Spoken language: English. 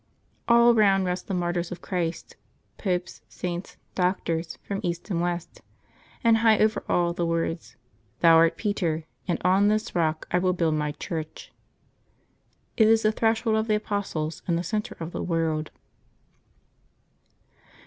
All around rest the martyrs of Christ — Popes, Saints, Doctors, from east and west — and high over all, the words, " Thou art Peter, and on this Eock I will build My Church." It is the threshold of the apostles and the centre of the world.